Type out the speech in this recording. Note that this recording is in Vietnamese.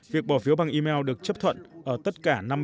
việc bỏ phiếu bằng email được chấp thuận ở tất cả năm mươi bang